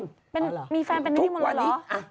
ใครหรอมีแฟนเป็นแน่นอนหรือ